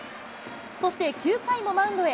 そして９回もマウンドへ。